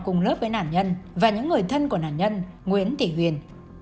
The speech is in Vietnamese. cùng lớp với nạn nhân và những người thân của nạn nhân nguyễn thị huyền